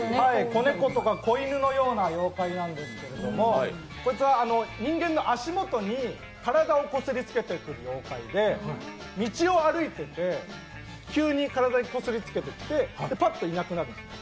子猫とか子犬のような妖怪なんですけれども、こいつは人間の足もとに体をこすりつけてくる妖怪で道を歩いてて、急に体にこすりつけてきて、パッといなくなるんですよ。